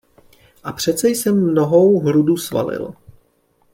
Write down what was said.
A přece jsem mnohou hrudu svalil.